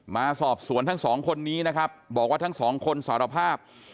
มาสอบสวนทั้งสองคนนี้นะครับบอกว่าทั้งสองคนสารภาพ